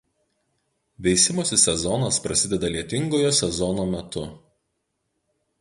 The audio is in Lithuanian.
Veisimosi sezonas prasideda lietingojo sezono metu.